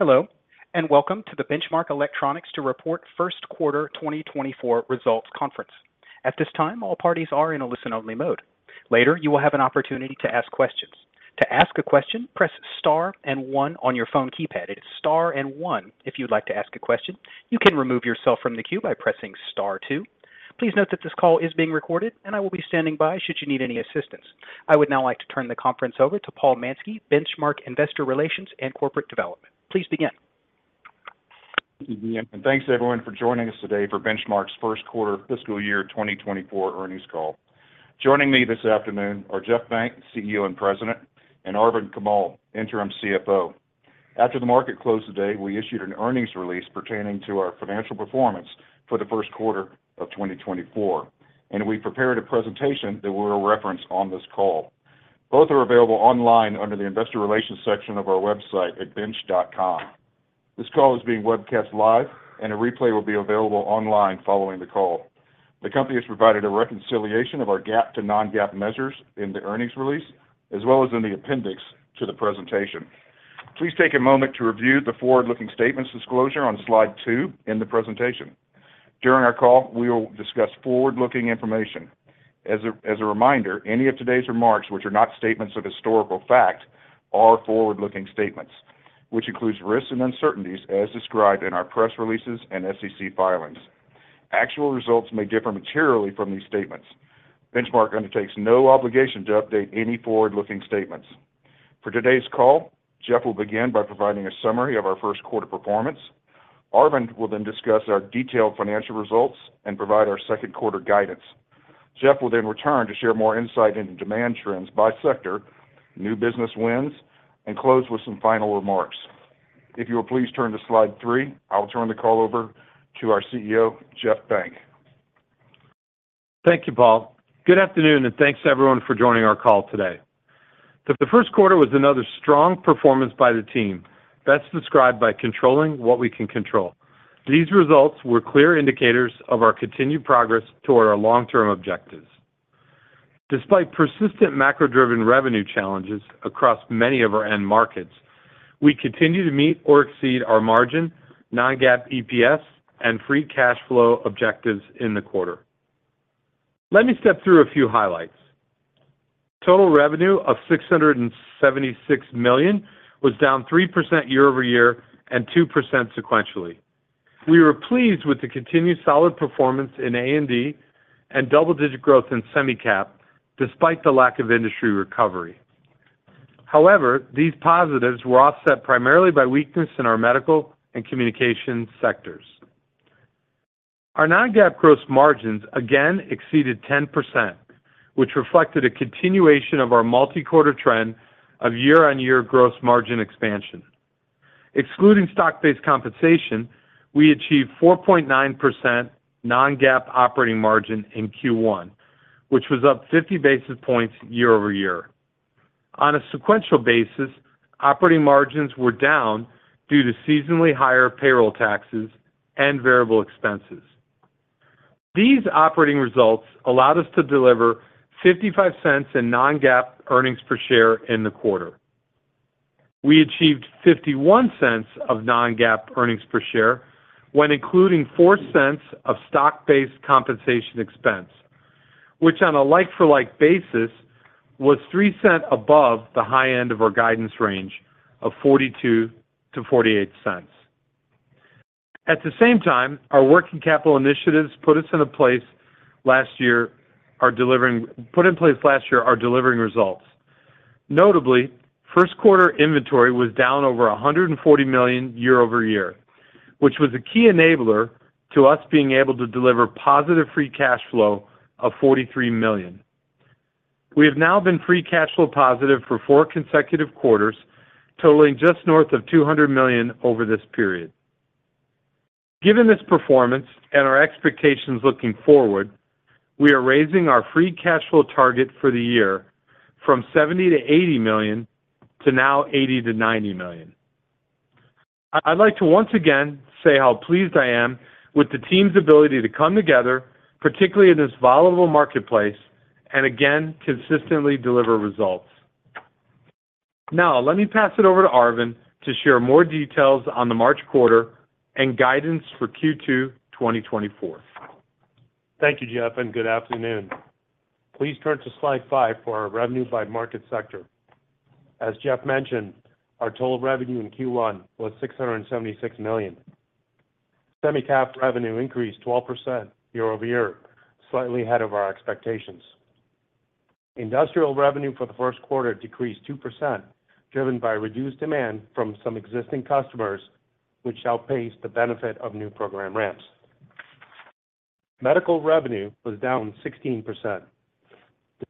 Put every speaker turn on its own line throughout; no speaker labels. Hello, and welcome to the Benchmark Electronics to report first quarter 2024 results conference. At this time, all parties are in a listen-only mode. Later, you will have an opportunity to ask questions. To ask a question, press Star and one on your phone keypad. It is Star and one. If you'd like to ask a question, you can remove yourself from the queue by pressing Star two. Please note that this call is being recorded, and I will be standing by should you need any assistance. I would now like to turn the conference over to Paul Manske, Benchmark Investor Relations and Corporate Development. Please begin.
Thanks, everyone, for joining us today for Benchmark's first quarter fiscal year 2024 earnings call. Joining me this afternoon are Jeff Benck, CEO and President, and Arvind Kamal, Interim CFO. After the market closed today, we issued an earnings release pertaining to our financial performance for the first quarter of 2024, and we prepared a presentation that we are referencing on this call. Both are available online under the Investor Relations section of our website at benchmark.com. This call is being webcast live, and a replay will be available online following the call. The company has provided a reconciliation of our GAAP to non-GAAP measures in the earnings release, as well as in the appendix to the presentation. Please take a moment to review the forward-looking statements disclosure on slide 2 in the presentation. During our call, we will discuss forward-looking information. As a reminder, any of today's remarks, which are not statements of historical fact, are forward-looking statements, which includes risks and uncertainties as described in our press releases and SEC filings. Actual results may differ materially from these statements. Benchmark undertakes no obligation to update any forward-looking statements. For today's call, Jeff will begin by providing a summary of our first quarter performance. Arvind will then discuss our detailed financial results and provide our second quarter guidance. Jeff will then return to share more insight into demand trends by sector, new business wins, and close with some final remarks. If you will please turn to slide three, I will turn the call over to our CEO, Jeff Benck.
Thank you, Paul. Good afternoon, and thanks to everyone for joining our call today. The first quarter was another strong performance by the team that's described by controlling what we can control. These results were clear indicators of our continued progress toward our long-term objectives. Despite persistent macro-driven revenue challenges across many of our end markets, we continue to meet or exceed our margin, non-GAAP EPS, and free cash flow objectives in the quarter. Let me step through a few highlights. Total revenue of $676 million was down 3% year-over-year and 2% sequentially. We were pleased with the continued solid performance in A&D and double-digit growth in Semi-Cap, despite the lack of industry recovery. However, these positives were offset primarily by weakness in our Medical and communications sectors. Our non-GAAP gross margins again exceeded 10%, which reflected a continuation of our multi-quarter trend of year-over-year gross margin expansion. Excluding stock-based compensation, we achieved 4.9% non-GAAP operating margin in Q1, which was up 50 basis points year-over-year. On a sequential basis, operating margins were down due to seasonally higher payroll taxes and variable expenses. These operating results allowed us to deliver $0.55 in non-GAAP earnings per share in the quarter. We achieved $0.51 of non-GAAP earnings per share when including $0.04 of stock-based compensation expense, which, on a like-for-like basis, was $0.03 above the high end of our guidance range of $0.42-$0.48. At the same time, our working capital initiatives put in place last year are delivering results. Notably, first quarter inventory was down over $140 million year-over-year, which was a key enabler to us being able to deliver positive free cash flow of $43 million. We have now been free cash flow positive for four consecutive quarters, totaling just north of $200 million over this period. Given this performance and our expectations looking forward, we are raising our free cash flow target for the year from $70 million-$80 million to now $80 million-$90 million. I'd like to once again say how pleased I am with the team's ability to come together, particularly in this volatile marketplace, and again, consistently deliver results. Now, let me pass it over to Arvind to share more details on the March quarter and guidance for Q2 2024.
Thank you, Jeff, and good afternoon. Please turn to slide 5 for our revenue by market sector. As Jeff mentioned, our total revenue in Q1 was $676 million. Semi-Cap revenue increased 12% year-over-year, slightly ahead of our expectations. Industrial revenue for the first quarter decreased 2%, driven by reduced demand from some existing customers, which outpaced the benefit of new program ramps. Medical revenue was down 16%.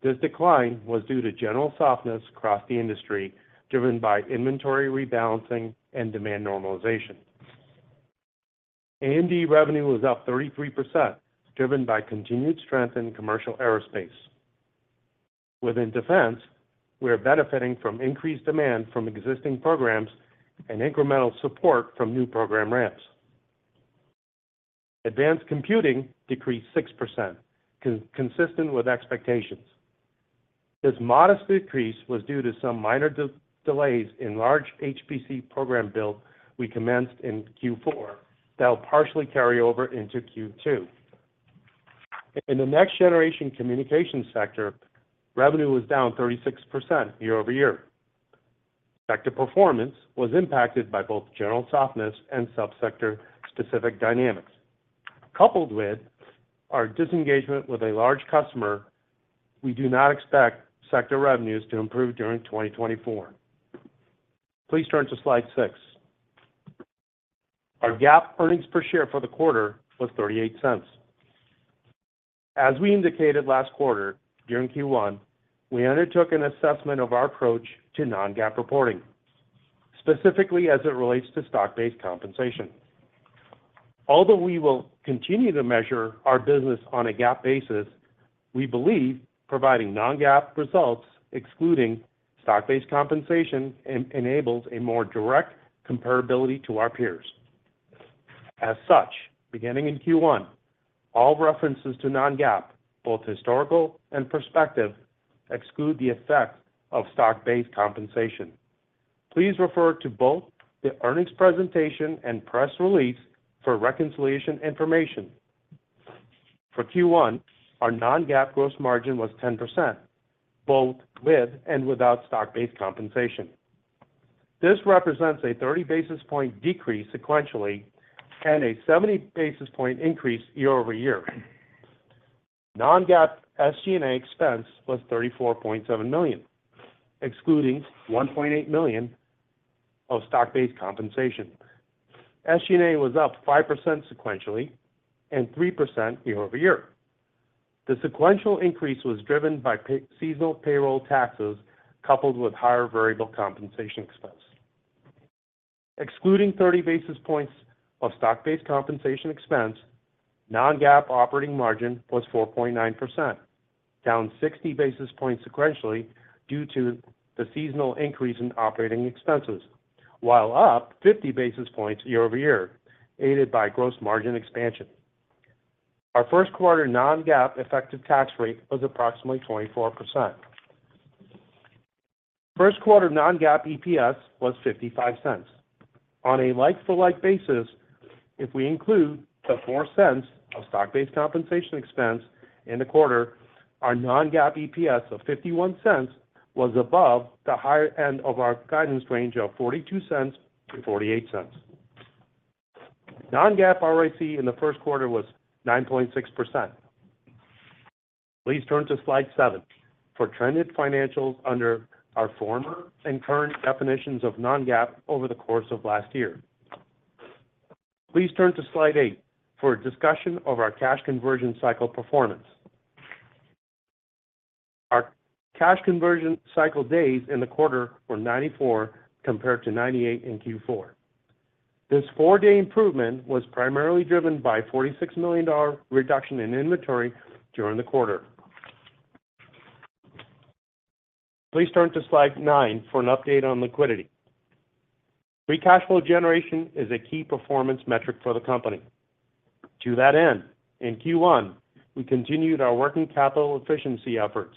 This decline was due to general softness across the industry, driven by inventory rebalancing and demand normalization. A&D revenue was up 33%, driven by continued strength in Commercial Aerospace. Within defense, we are benefiting from increased demand from existing programs and incremental support from new program ramps.... Advanced Computing decreased 6%, consistent with expectations. This modest decrease was due to some minor delays in large HPC program build we commenced in Q4, that will partially carry over into Q2. In the Next-Generation Communication sector, revenue was down 36% year-over-year. Sector performance was impacted by both general softness and sub-sector specific dynamics. Coupled with our disengagement with a large customer, we do not expect sector revenues to improve during 2024. Please turn to slide 6. Our GAAP earnings per share for the quarter was $0.38. As we indicated last quarter, during Q1, we undertook an assessment of our approach to non-GAAP reporting, specifically as it relates to stock-based compensation. Although we will continue to measure our business on a GAAP basis, we believe providing non-GAAP results, excluding stock-based compensation, enables a more direct comparability to our peers. As such, beginning in Q1, all references to non-GAAP, both historical and prospective, exclude the effect of stock-based compensation. Please refer to both the earnings presentation and press release for reconciliation information. For Q1, our non-GAAP gross margin was 10%, both with and without stock-based compensation. This represents a 30 basis point decrease sequentially, and a 70 basis point increase year-over-year. Non-GAAP SG&A expense was $34.7 million, excluding $1.8 million of stock-based compensation. SG&A was up 5% sequentially and 3% year-over-year. The sequential increase was driven by seasonal payroll taxes, coupled with higher variable compensation expense. Excluding 30 basis points of stock-based compensation expense, non-GAAP operating margin was 4.9%, down 60 basis points sequentially due to the seasonal increase in operating expenses, while up 50 basis points year-over-year, aided by gross margin expansion. Our first quarter non-GAAP effective tax rate was approximately 24%. First quarter non-GAAP EPS was $0.55. On a like-for-like basis, if we include the $0.04 of stock-based compensation expense in the quarter, our non-GAAP EPS of $0.51 was above the higher end of our guidance range of $0.42-$0.48. Non-GAAP ROIC in the first quarter was 9.6%. Please turn to slide 7 for trended financials under our former and current definitions of non-GAAP over the course of last year. Please turn to slide 8 for a discussion of our cash conversion cycle performance. Our cash conversion cycle days in the quarter were 94, compared to 98 in Q4. This 4-day improvement was primarily driven by a $46 million reduction in inventory during the quarter. Please turn to slide 9 for an update on liquidity. Free cash flow generation is a key performance metric for the company. To that end, in Q1, we continued our working capital efficiency efforts,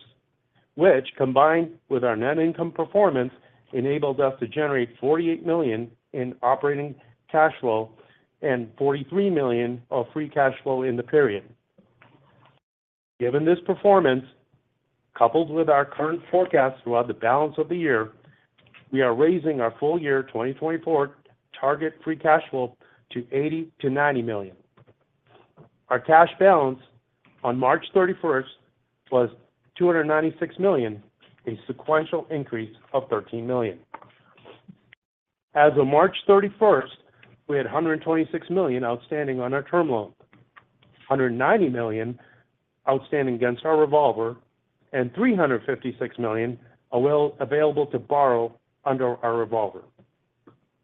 which, combined with our net income performance, enabled us to generate $48 million in operating cash flow and $43 million of free cash flow in the period. Given this performance, coupled with our current forecast throughout the balance of the year, we are raising our full year 2024 target free cash flow to $80 million-$90 million. Our cash balance on March thirty-first was $296 million, a sequential increase of $13 million. As of March thirty-first, we had $126 million outstanding on our term loan, $190 million outstanding against our revolver, and $356 million available to borrow under our revolver.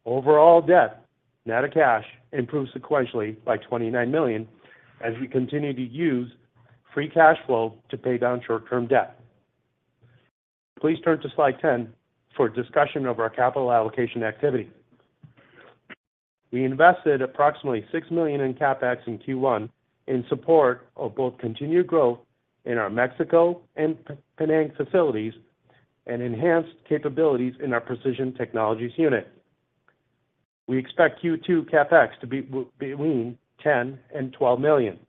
Overall debt, net of cash, improved sequentially by $29 million as we continue to use free cash flow to pay down short-term debt. Please turn to slide 10 for a discussion of our capital allocation activity. We invested approximately $6 million in CapEx in Q1 in support of both continued growth in our Mexico and Penang facilities and enhanced capabilities in our precision technologies unit. We expect Q2 CapEx to be between $10 and $12 million.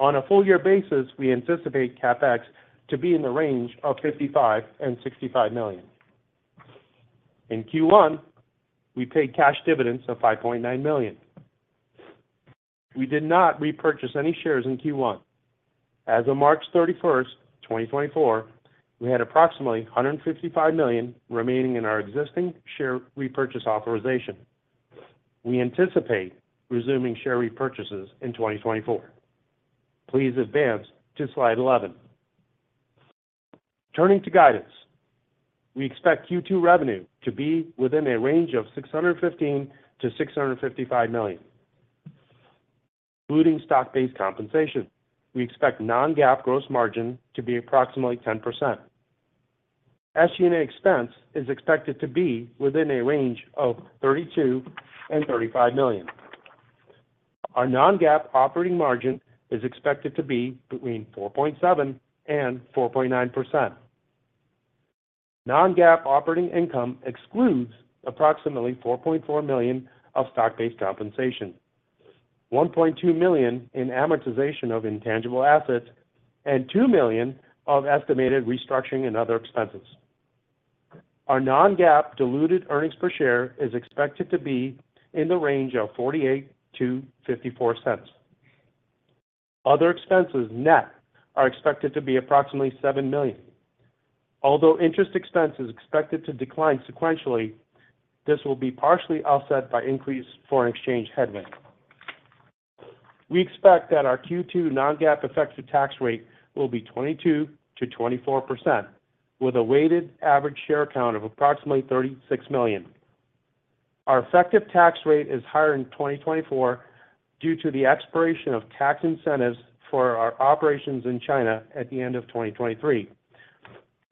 On a full year basis, we anticipate CapEx to be in the range of $55-$65 million. In Q1, we paid cash dividends of $5.9 million. We did not repurchase any shares in Q1. As of March 31, 2024, we had approximately $155 million remaining in our existing share repurchase authorization. We anticipate resuming share repurchases in 2024. Please advance to slide 11. Turning to guidance, we expect Q2 revenue to be within a range of $615 million-$655 million. Including stock-based compensation, we expect non-GAAP gross margin to be approximately 10%. SG&A unit expense is expected to be within a range of $32 million-$35 million. Our non-GAAP operating margin is expected to be between 4.7% and 4.9%. Non-GAAP operating income excludes approximately $4.4 million of stock-based compensation, $1.2 million in amortization of intangible assets, and $2 million of estimated restructuring and other expenses. Our non-GAAP diluted earnings per share is expected to be in the range of $0.48-$0.54. Other expenses net are expected to be approximately $7 million. Although interest expense is expected to decline sequentially, this will be partially offset by increased foreign exchange headwind. We expect that our Q2 non-GAAP effective tax rate will be 22%-24%, with a weighted average share count of approximately 36 million. Our effective tax rate is higher in 2024 due to the expiration of tax incentives for our operations in China at the end of 2023,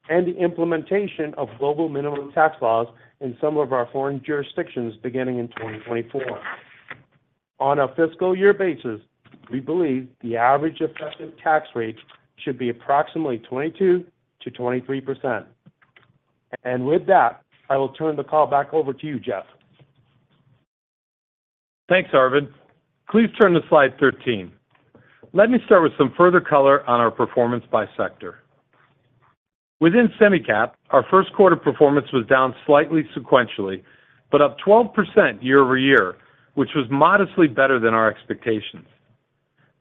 and the implementation of global minimum tax laws in some of our foreign jurisdictions beginning in 2024. On a fiscal year basis, we believe the average effective tax rate should be approximately 22%-23%. And with that, I will turn the call back over to you, Jeff.
Thanks, Arvind. Please turn to slide 13. Let me start with some further color on our performance by sector. Within Semi-Cap, our first quarter performance was down slightly sequentially, but up 12% year-over-year, which was modestly better than our expectations.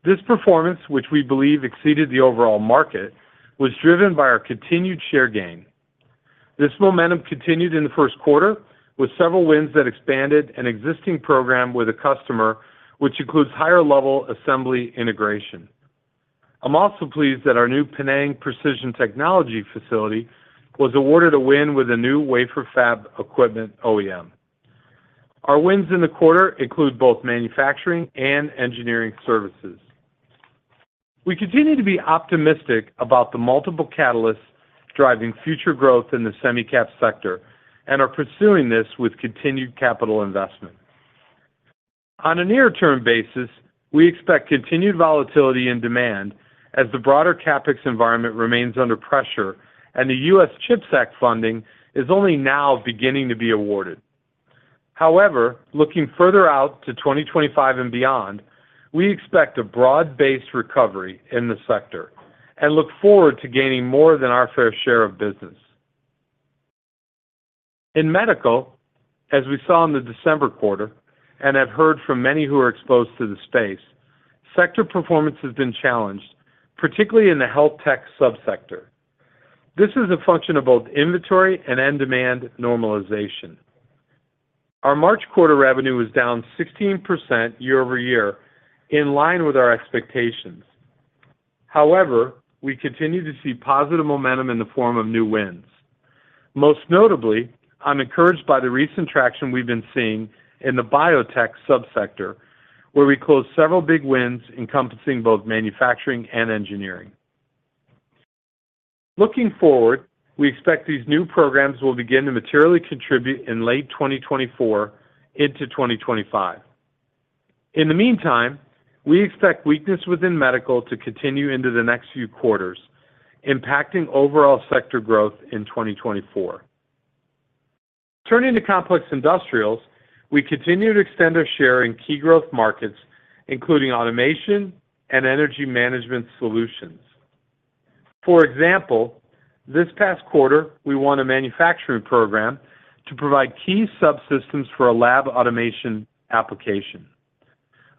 This performance, which we believe exceeded the overall market, was driven by our continued share gain. This momentum continued in the first quarter with several wins that expanded an existing program with a customer, which includes higher-level assembly integration. I'm also pleased that our new Penang Precision Technologies facility was awarded a win with a new wafer fab equipment OEM. Our wins in the quarter include both manufacturing and engineering services. We continue to be optimistic about the multiple catalysts driving future growth in the Semi-Cap sector and are pursuing this with continued capital investment. On a near-term basis, we expect continued volatility in demand as the broader CapEx environment remains under pressure and the U.S. CHIPS Act funding is only now beginning to be awarded. However, looking further out to 2025 and beyond, we expect a broad-based recovery in the sector and look forward to gaining more than our fair share of business. In medical, as we saw in the December quarter, and have heard from many who are exposed to the space, sector performance has been challenged, particularly in the health tech subsector. This is a function of both inventory and end demand normalization. Our March quarter revenue was down 16% year-over-year, in line with our expectations. However, we continue to see positive momentum in the form of new wins. Most notably, I'm encouraged by the recent traction we've been seeing in the biotech subsector, where we closed several big wins encompassing both manufacturing and engineering. Looking forward, we expect these new programs will begin to materially contribute in late 2024 into 2025. In the meantime, we expect weakness within Medical to continue into the next few quarters, impacting overall sector growth in 2024. Turning to Complex Industrials, we continue to extend our share in key growth markets, including automation and energy management solutions. For example, this past quarter, we won a manufacturing program to provide key subsystems for a lab automation application.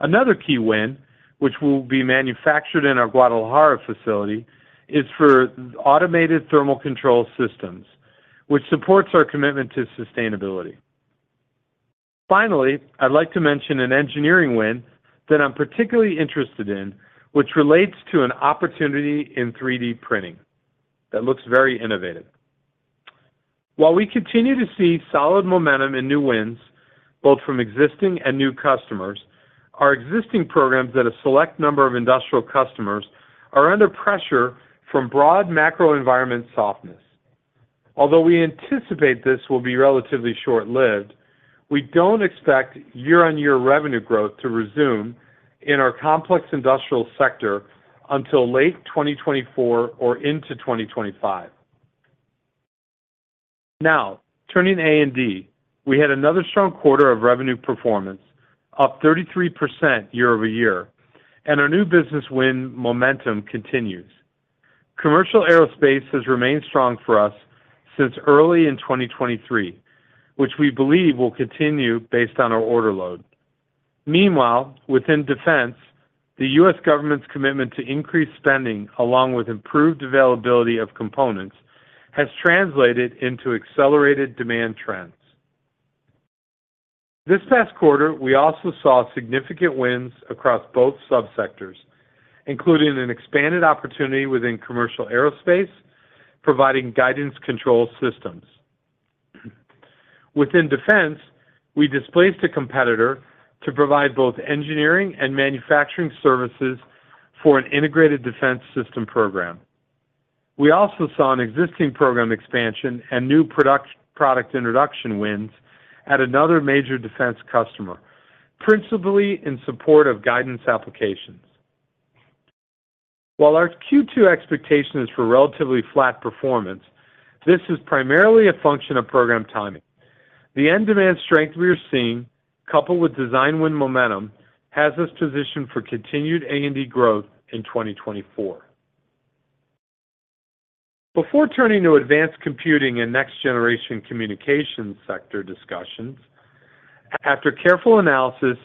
Another key win, which will be manufactured in our Guadalajara facility, is for automated thermal control systems, which supports our commitment to sustainability. Finally, I'd like to mention an engineering win that I'm particularly interested in, which relates to an opportunity in 3D printing that looks very innovative. While we continue to see solid momentum in new wins, both from existing and new customers, our existing programs at a select number of industrial customers are under pressure from broad macro environment softness. Although we anticipate this will be relatively short-lived, we don't expect year-on-year revenue growth to resume in our Complex Industrial sector until late 2024 or into 2025. Now, turning to A&D, we had another strong quarter of revenue performance, up 33% year-over-year, and our new business win momentum continues. Commercial Aerospace has remained strong for us since early in 2023, which we believe will continue based on our order load. Meanwhile, within defense, the U.S. government's commitment to increased spending, along with improved availability of components, has translated into accelerated demand trends. This past quarter, we also saw significant wins across both subsectors, including an expanded opportunity within Commercial Aerospace, providing guidance control systems. Within defense, we displaced a competitor to provide both engineering and manufacturing services for an integrated defense system program. We also saw an existing program expansion and new product, product introduction wins at another major defense customer, principally in support of guidance applications. While our Q2 expectation is for relatively flat performance, this is primarily a function of program timing. The end demand strength we are seeing, coupled with design win momentum, has us positioned for continued A&D growth in 2024. Before turning to Advanced Computing and Next-Generation Communications sector discussions, after careful analysis,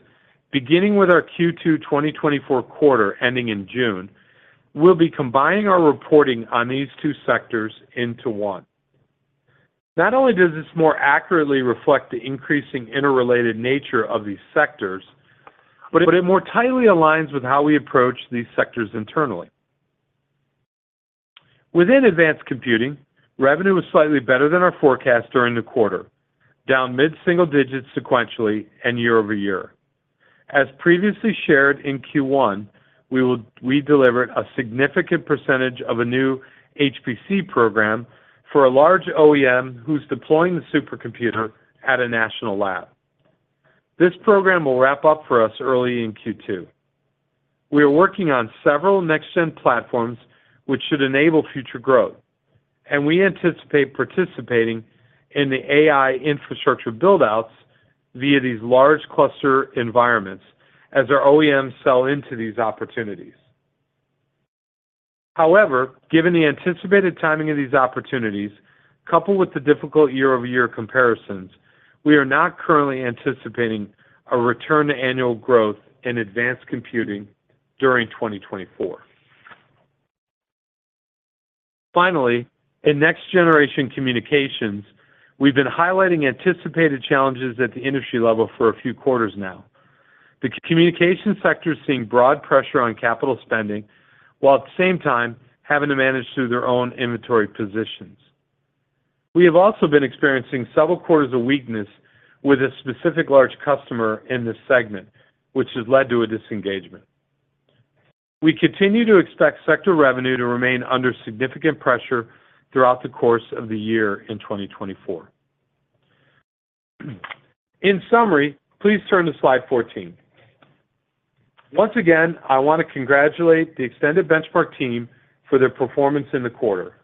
beginning with our Q2 2024 quarter ending in June, we'll be combining our reporting on these two sectors into one. Not only does this more accurately reflect the increasing interrelated nature of these sectors, but it more tightly aligns with how we approach these sectors internally. Within Advanced Computing, revenue was slightly better than our forecast during the quarter, down mid-single digits sequentially and year over year. As previously shared in Q1, we delivered a significant percentage of a new HPC program for a large OEM who's deploying the supercomputer at a national lab. This program will wrap up for us early in Q2. We are working on several next gen platforms, which should enable future growth, and we anticipate participating in the AI infrastructure build-outs via these large cluster environments as our OEMs sell into these opportunities. However, given the anticipated timing of these opportunities, coupled with the difficult year-over-year comparisons, we are not currently anticipating a return to annual growth in advanced computing during 2024. Finally, in next-generation communications, we've been highlighting anticipated challenges at the industry level for a few quarters now. The communication sector is seeing broad pressure on capital spending, while at the same time having to manage through their own inventory positions. We have also been experiencing several quarters of weakness with a specific large customer in this segment, which has led to a disengagement. We continue to expect sector revenue to remain under significant pressure throughout the course of the year in 2024. In summary, please turn to slide 14. Once again, I want to congratulate the extended Benchmark team for their performance in the quarter.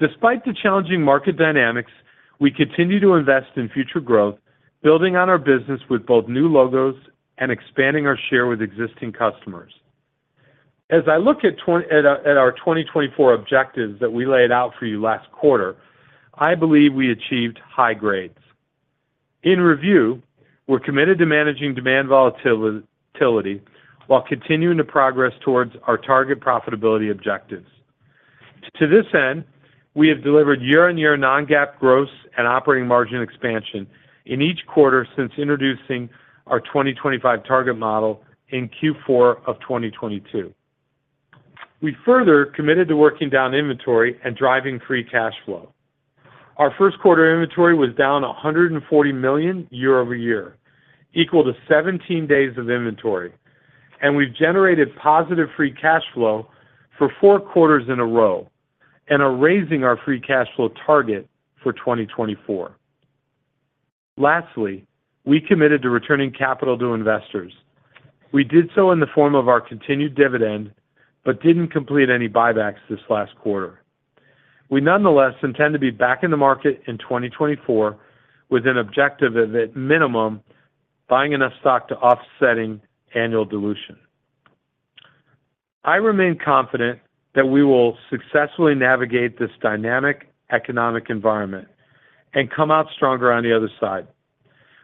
Despite the challenging market dynamics, we continue to invest in future growth, building on our business with both new logos and expanding our share with existing customers. As I look at our 2024 objectives that we laid out for you last quarter, I believe we achieved high grades. In review, we're committed to managing demand volatility while continuing to progress towards our target profitability objectives. To this end, we have delivered year-on-year Non-GAAP gross and operating margin expansion in each quarter since introducing our 2025 target model in Q4 of 2022. We further committed to working down inventory and driving free cash flow. Our first quarter inventory was down $140 million year-over-year, equal to 17 days of inventory, and we've generated positive free cash flow for 4 quarters in a row and are raising our free cash flow target for 2024. Lastly, we committed to returning capital to investors. We did so in the form of our continued dividend, but didn't complete any buybacks this last quarter. We nonetheless intend to be back in the market in 2024 with an objective of, at minimum, buying enough stock to offsetting annual dilution. I remain confident that we will successfully navigate this dynamic economic environment and come out stronger on the other side.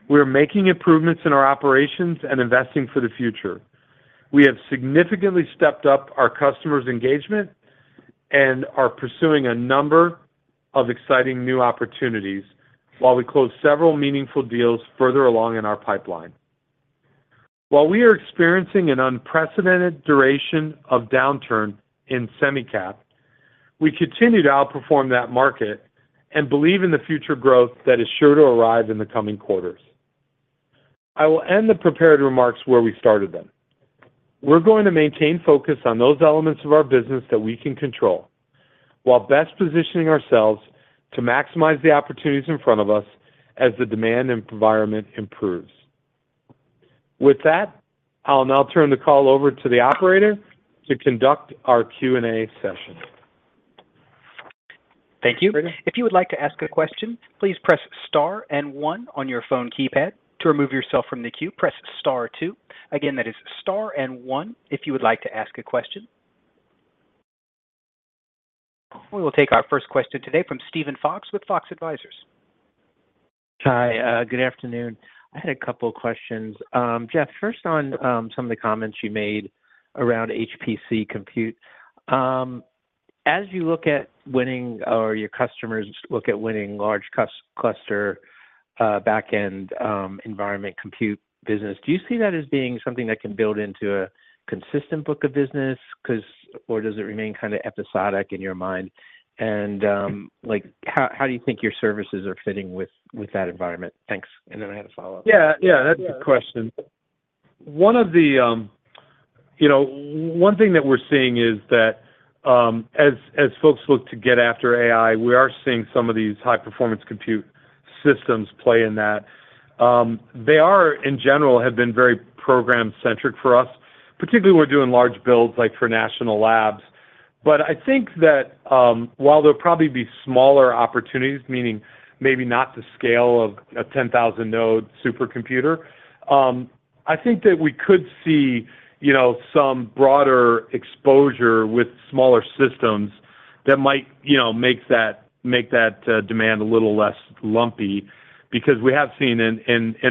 We are making improvements in our operations and investing for the future. We have significantly stepped up our customers' engagement and are pursuing a number of exciting new opportunities while we close several meaningful deals further along in our pipeline. While we are experiencing an unprecedented duration of downturn in Semi-Cap, we continue to outperform that market and believe in the future growth that is sure to arrive in the coming quarters. I will end the prepared remarks where we started them. We're going to maintain focus on those elements of our business that we can control, while best positioning ourselves to maximize the opportunities in front of us as the demand environment improves. With that, I'll now turn the call over to the operator to conduct our Q&A session.
Thank you. If you would like to ask a question, please press star and one on your phone keypad. To remove yourself from the queue, press star two. Again, that is star and one if you would like to ask a question. We will take our first question today from Steven Fox with Fox Advisors.
Hi, good afternoon. I had a couple of questions. Jeff, first on some of the comments you made around HPC compute. As you look at winning or your customers look at winning large cluster, backend, environment compute business, do you see that as being something that can build into a consistent book of business? 'Cause or does it remain kind of episodic in your mind? And, like, how do you think your services are fitting with that environment? Thanks. And then I had a follow-up.
Yeah, yeah, that's a good question. One of the, you know, one thing that we're seeing is that, as folks look to get after AI, we are seeing some of these high-performance compute systems play in that. They are, in general, have been very program-centric for us, particularly we're doing large builds, like for national labs. But I think that, while there'll probably be smaller opportunities, meaning maybe not the scale of a 10,000 node supercomputer, I think that we could see, you know, some broader exposure with smaller systems that might, you know, make that, make that, demand a little less lumpy. Because we have seen in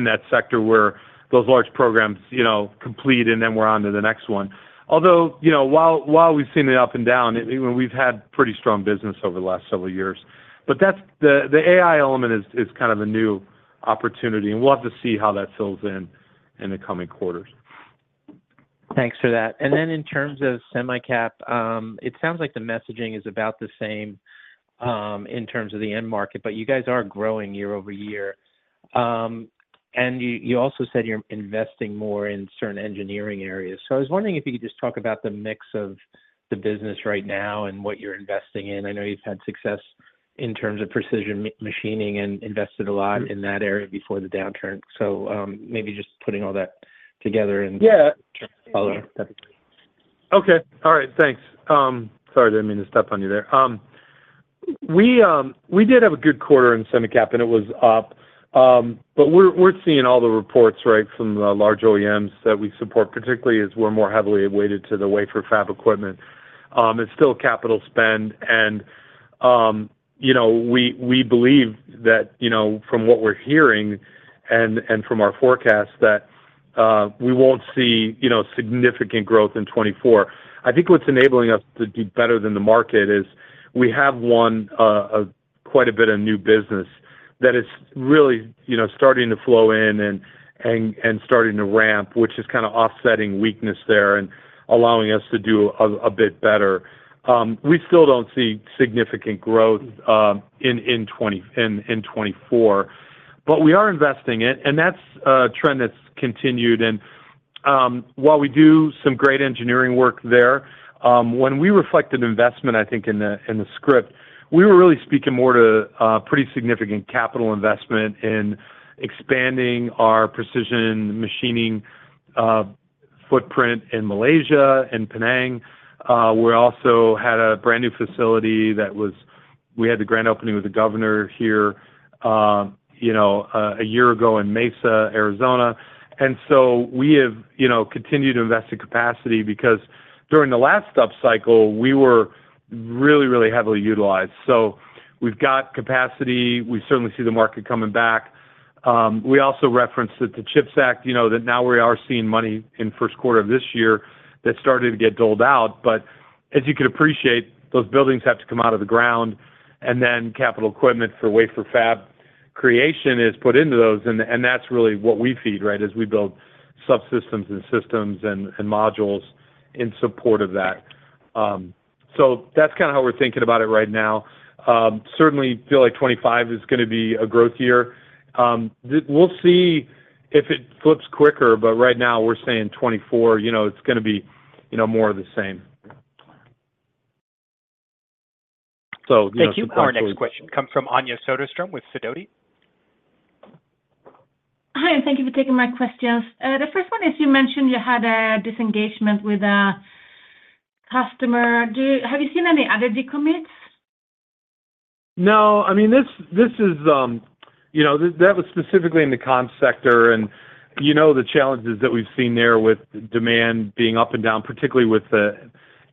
that sector where those large programs, you know, complete, and then we're on to the next one. Although, you know, while we've seen it up and down, I mean, we've had pretty strong business over the last several years. But that's... the AI element is kind of a new opportunity, and we'll have to see how that fills in in the coming quarters.
Thanks for that. Then in terms of Semicap, it sounds like the messaging is about the same, in terms of the end market, but you guys are growing year-over-year. You also said you're investing more in certain engineering areas. I was wondering if you could just talk about the mix of the business right now and what you're investing in. I know you've had success in terms of precision machining and invested a lot in that area before the downturn. Maybe just putting all that together and-
Yeah
Follow up.
Okay. All right. Thanks. Sorry, I didn't mean to step on you there. We did have a good quarter in Semicap, and it was up. But we're seeing all the reports, right, from the large OEMs that we support, particularly as we're more heavily weighted to the wafer fab equipment. It's still capital spend, and you know, we believe that, you know, from what we're hearing and from our forecast, that we won't see, you know, significant growth in 2024. I think what's enabling us to do better than the market is we have won quite a bit of new business that is really, you know, starting to flow in and starting to ramp, which is kind of offsetting weakness there and allowing us to do a bit better. We still don't see significant growth in 2024, but we are investing in, and that's a trend that's continued. While we do some great engineering work there, when we reflect an investment, I think in the script, we were really speaking more to a pretty significant capital investment in expanding our precision machining footprint in Malaysia and Penang. We also had a brand-new facility. We had the grand opening with the governor here, you know, a year ago in Mesa, Arizona. So we have, you know, continued to invest in capacity because during the last upcycle, we were really, really heavily utilized. We've got capacity. We certainly see the market coming back. We also referenced that the CHIPS Act, you know, that now we are seeing money in first quarter of this year that's starting to get doled out, but as you can appreciate, those buildings have to come out of the ground, and then capital equipment for wafer fab creation is put into those, and that's really what we feed, right? We build subsystems and systems and modules in support of that. So that's kind of how we're thinking about it right now. Certainly feel like 2025 is gonna be a growth year. We'll see if it flips quicker, but right now we're saying 2024, you know, it's gonna be, you know, more of the same. So, you know-
Thank you. Our next question comes from Anja Soderstrom with Sidoti.
Hi, and thank you for taking my questions. The first one is, you mentioned you had a disengagement with a customer. Have you seen any other decommits?
No. I mean, this, this is, you know, that was specifically in the comms sector, and you know, the challenges that we've seen there with demand being up and down, particularly with the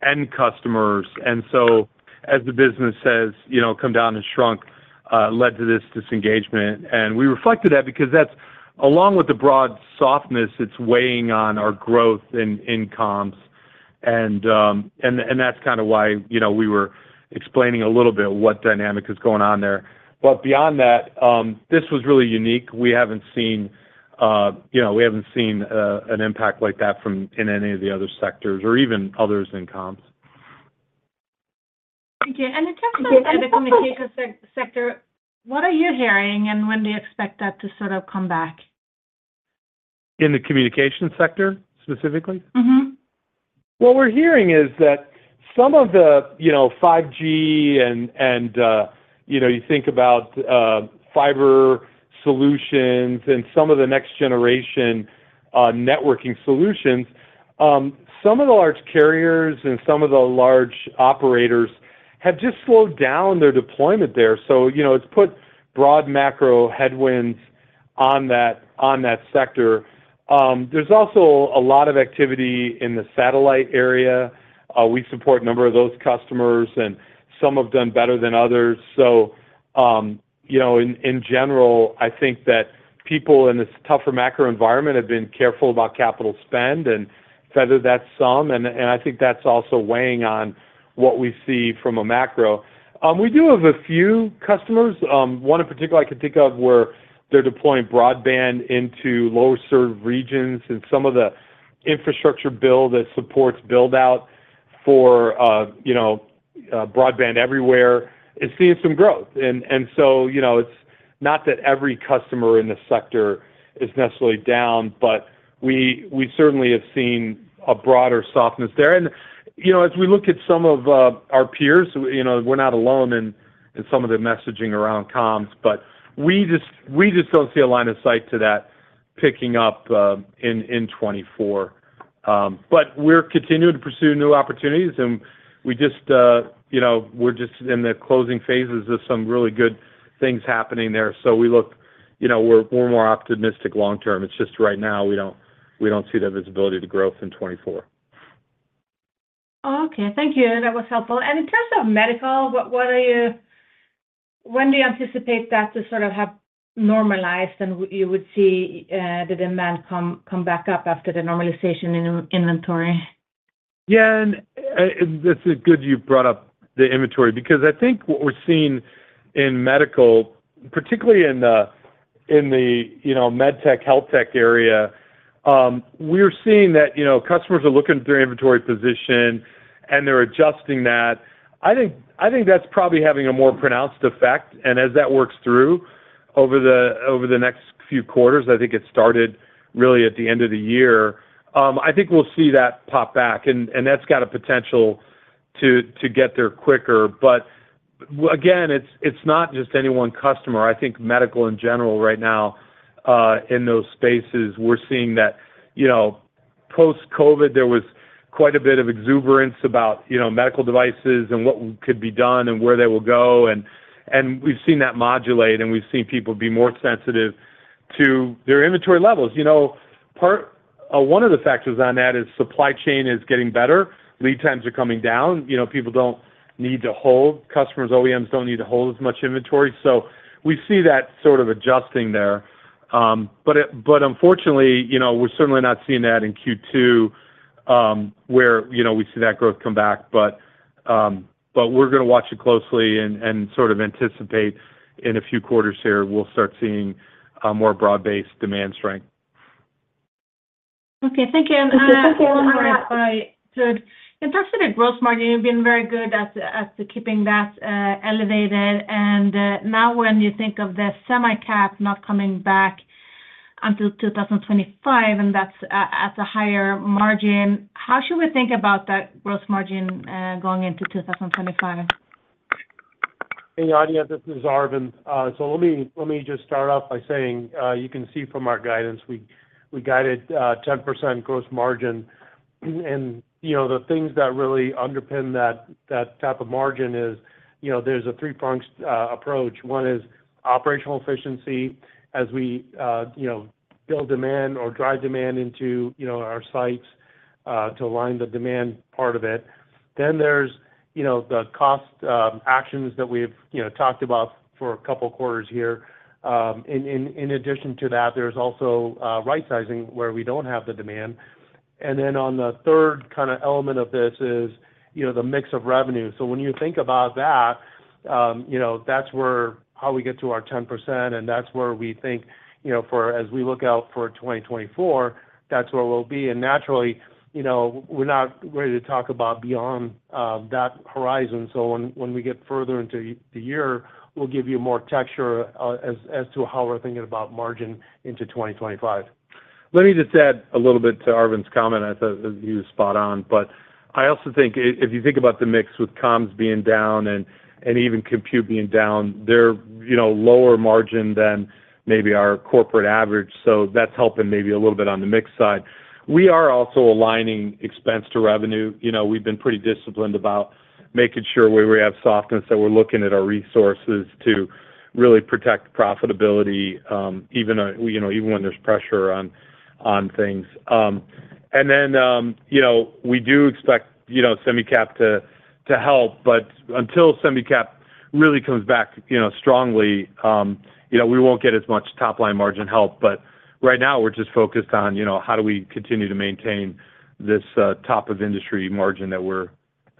end customers. And so as the business has, you know, come down and shrunk, led to this disengagement, and we reflected that because that's, along with the broad softness, it's weighing on our growth in comms. And that's kind of why, you know, we were explaining a little bit what dynamic is going on there. But beyond that, this was really unique. We haven't seen, you know, we haven't seen, an impact like that from, in any of the other sectors or even others in comms.
Thank you. And in terms of the communication sector, what are you hearing, and when do you expect that to sort of come back?
In the communication sector, specifically?
Mm-hmm.
What we're hearing is that some of the, you know, 5G and, and, you know, you think about, fiber solutions and some of the next-generation, networking solutions, some of the large carriers and some of the large operators have just slowed down their deployment there. So, you know, it's put broad macro headwinds on that, on that sector. There's also a lot of activity in the satellite area. We support a number of those customers, and some have done better than others. So, you know, in general, I think that people in this tougher macro environment have been careful about capital spend and feathered that sum, and I think that's also weighing on what we see from a macro. We do have a few customers, one in particular I can think of, where they're deploying broadband into lower served regions, and some of the infrastructure build that supports build-out for broadband everywhere is seeing some growth. And so, you know, it's not that every customer in the sector is necessarily down, but we certainly have seen a broader softness there. And, you know, as we look at some of our peers, you know, we're not alone in some of the messaging around comms, but we just don't see a line of sight to that picking up in 2024. But we're continuing to pursue new opportunities, and we just, you know, we're just in the closing phases of some really good things happening there. So we look—you know, we're, we're more optimistic long term. It's just right now, we don't, we don't see the visibility to growth in 2024.
Okay, thank you. That was helpful. And in terms of Medical, what are you, when do you anticipate that to sort of have normalized and you would see the demand come back up after the normalization in inventory?
Yeah, and it's good you brought up the inventory, because I think what we're seeing in medical, particularly in the you know, medtech, health tech area, we're seeing that, you know, customers are looking at their inventory position, and they're adjusting that. I think that's probably having a more pronounced effect, and as that works through over the next few quarters, I think it started really at the end of the year, I think we'll see that pop back, and that's got a potential to get there quicker. But again, it's not just any one customer. I think medical in general right now, in those spaces, we're seeing that, you know, post-COVID, there was quite a bit of exuberance about, you know, medical devices and what could be done and where they will go. We've seen that modulate, and we've seen people be more sensitive to their inventory levels. You know, part one of the factors on that is supply chain is getting better. Lead times are coming down. You know, people don't need to hold. Customers, OEMs don't need to hold as much inventory, so we see that sort of adjusting there. But it, but unfortunately, you know, we're certainly not seeing that in Q2, where, you know, we see that growth come back. But, but we're gonna watch it closely and, and sort of anticipate in a few quarters here, we'll start seeing a more broad-based demand strength.
Okay, thank you. Thank you. If I could. In terms of the growth margin, you've been very good at keeping that elevated. Now when you think of the Semi-Cap not coming back until 2025, and that's at a higher margin, how should we think about that growth margin going into 2025?
Hey, Anja, this is Arvind. So let me just start off by saying, you can see from our guidance, we guided 10% gross margin. And, you know, the things that really underpin that, that type of margin is, you know, there's a three-pronged approach. One is operational efficiency, as we, you know, build demand or drive demand into, you know, our sites, to align the demand part of it. Then there's, you know, the cost actions that we've, you know, talked about for a couple quarters here. In addition to that, there's also right-sizing, where we don't have the demand. And then on the third kind of element of this is, you know, the mix of revenue. So when you think about that, you know, that's where how we get to our 10%, and that's where we think, you know, for as we look out for 2024, that's where we'll be. And naturally, you know, we're not ready to talk about beyond that horizon. So when we get further into the year, we'll give you more texture, as to how we're thinking about margin into 2025.
Let me just add a little bit to Arvind's comment. I thought he was spot on, but I also think if you think about the mix with comms being down and, and even compute being down, they're, you know, lower margin than maybe our corporate average, so that's helping maybe a little bit on the mix side. We are also aligning expense to revenue. You know, we've been pretty disciplined about making sure where we have softness, that we're looking at our resources to really protect profitability, even, you know, even when there's pressure on, on things. And then, you know, we do expect, you know, semi-cap to, to help, but until semi-cap really comes back, you know, strongly, you know, we won't get as much top-line margin help. But right now, we're just focused on, you know, how do we continue to maintain this top of industry margin that we're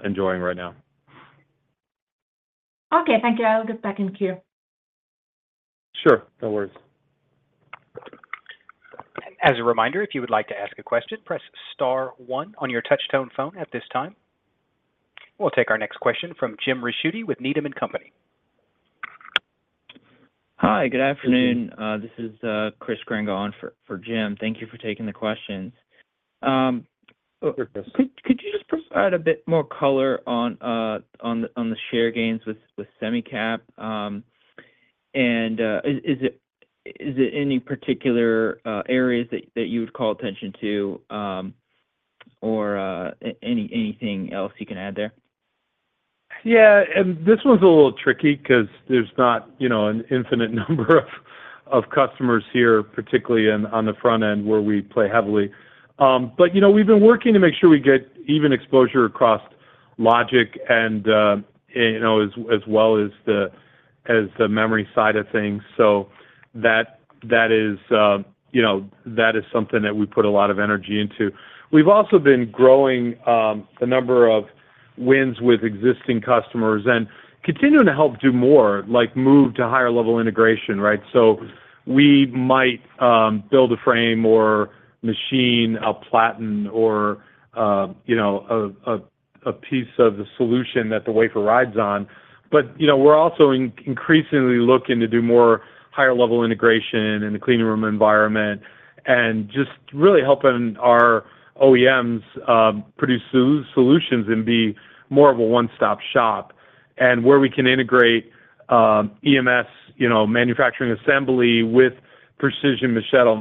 enjoying right now?
Okay, thank you. I will get back in queue.
Sure, no worries.
As a reminder, if you would like to ask a question, press star one on your touch tone phone at this time. We'll take our next question from Jim Ricchiuti with Needham & Company.
Hi, good afternoon. This is Chris Grenga for Jim. Thank you for taking the questions.
Sure, Chris.
Could you just provide a bit more color on the share gains with Semi-Cap? And is it any particular areas that you would call attention to, or anything else you can add there?
Yeah, and this one's a little tricky because there's not, you know, an infinite number of customers here, particularly in, on the front end, where we play heavily. But you know, we've been working to make sure we get even exposure across logic and, you know, as well as the memory side of things. So, that is, you know, that is something that we put a lot of energy into. We've also been growing the number of wins with existing customers and continuing to help do more, like move to higher level integration, right? So we might build a frame or machine a platen, or, you know, a piece of the solution that the wafer rides on. But, you know, we're also increasingly looking to do more higher level integration in the clean room environment and just really helping our OEMs, produce solutions and be more of a one-stop shop. And where we can integrate, EMS, you know, manufacturing assembly with precision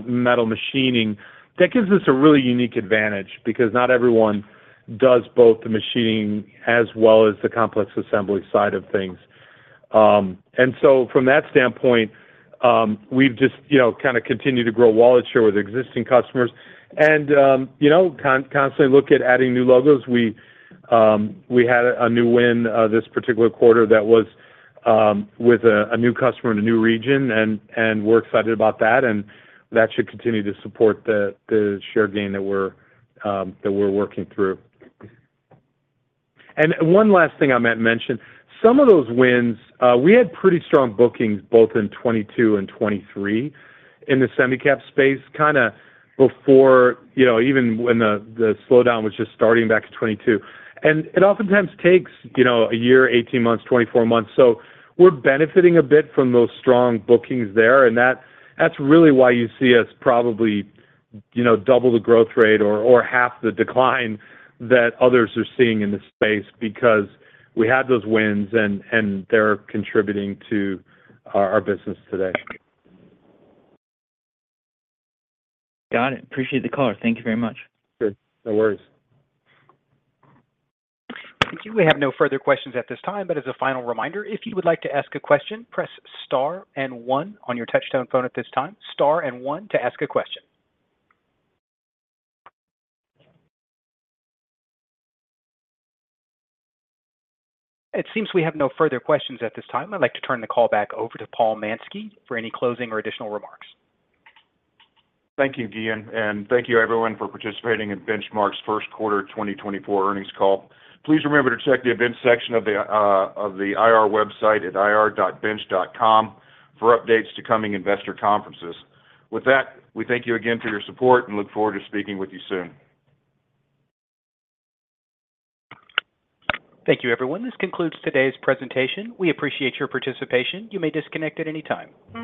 metal machining, that gives us a really unique advantage because not everyone does both the machining as well as the complex assembly side of things. And so from that standpoint, we've just, you know, kinda continued to grow wallet share with existing customers and, you know, constantly look at adding new logos. We had a new win this particular quarter that was with a new customer in a new region, and we're excited about that, and that should continue to support the share gain that we're working through. And one last thing I might mention, some of those wins, we had pretty strong bookings both in 2022 and 2023 in the Semicap space, kinda before, you know, even when the slowdown was just starting back in 2022. It oftentimes takes, you know, a year, 18 months, 24 months, so we're benefiting a bit from those strong bookings there, and that, that's really why you see us probably, you know, double the growth rate or, or half the decline that others are seeing in the space, because we had those wins, and, and they're contributing to our, our business today.
Got it. Appreciate the call. Thank you very much.
Sure. No worries.
Thank you. We have no further questions at this time, but as a final reminder, if you would like to ask a question, press star and one on your touchtone phone at this time, star and one to ask a question. It seems we have no further questions at this time. I'd like to turn the call back over to Paul Manske for any closing or additional remarks.
Thank you, Ian, and thank you everyone for participating in Benchmark's first quarter 2024 earnings call. Please remember to check the events section of the IR website at ir.bench.com for updates to coming investor conferences. With that, we thank you again for your support and look forward to speaking with you soon.
Thank you, everyone. This concludes today's presentation. We appreciate your participation. You may disconnect at any time.